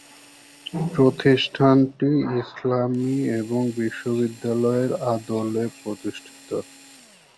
প্রতিষ্ঠানটি ইসলামি এবং বিশ্ববিদ্যালয়ের আদলে প্রতিষ্ঠিত।